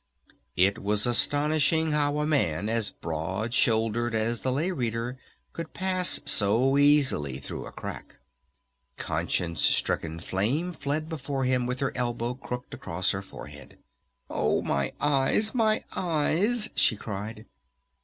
It was astonishing how a man as broad shouldered as the Lay Reader could pass so easily through a crack. Conscience stricken Flame fled before him with her elbow crooked across her forehead. "Oh, my eyes! My eyes!" she cried.